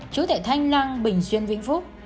chứa thể thanh lăng bình xuyên vĩnh phúc